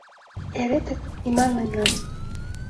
Эре тыгак лийман мемнан.